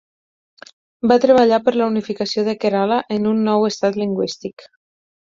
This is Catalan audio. Va treballar per a la unificació de Kerala en un nou estat lingüístic.